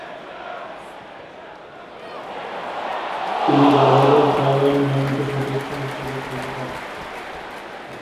তিনি বার্বাডোস দলের নিয়মিত সদস্য হিসেবে খেলতে থাকেন।